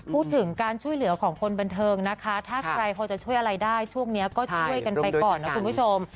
พูดถึงการช่วยเหลือของคนบันเทิงนะคะถ้าใครพอจะช่วยอะไรได้ช่วงนี้ก็ช่วยกันไปก่อนนะคุณผู้ชม